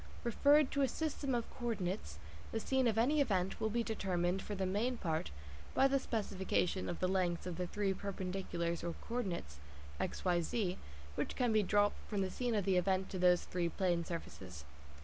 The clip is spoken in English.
Referred to a system of co ordinates, the scene of any event will be determined (for the main part) by the specification of the lengths of the three perpendiculars or co ordinates (x, y, z) which can be dropped from the scene of the event to those three plane surfaces.